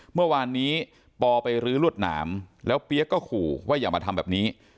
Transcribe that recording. เมื่อวานนี้ปอไปรื้อรวดหนามแล้วเปี๊ยกก็ขู่ว่าอย่ามาทำแบบนี้